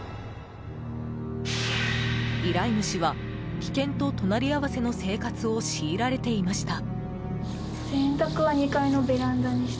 依頼主は、危険と隣り合わせの生活を強いられていました。